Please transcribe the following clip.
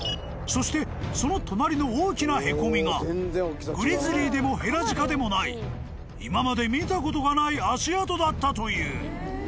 ［そしてその隣の大きなへこみがグリズリーでもヘラジカでもない今まで見たことがない足跡だったという］